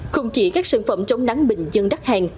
không chỉ các sản phẩm chống nắng bình dân đắt hàng